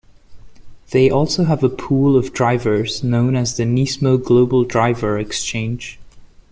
They also have a pool of drivers, known as the Nismo Global Driver Exchange.